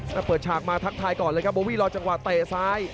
แต่เปิดฉากมาทักทายก่อนเลยครับโบวี่รอจังหวะเตะซ้าย